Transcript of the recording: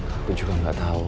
aku juga gak tau